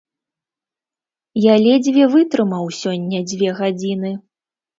Я ледзьве вытрымаў сёння дзве гадзіны.